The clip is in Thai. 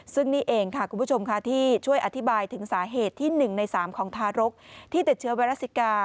ซึ่งนี่เองค่ะคุณผู้ชมค่ะที่ช่วยอธิบายถึงสาเหตุที่๑ใน๓ของทารกที่ติดเชื้อไวรัสซิกา